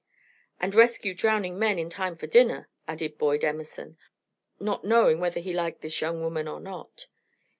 "And rescue drowning men in time for dinner," added Boyd Emerson, not knowing whether he liked this young woman or not.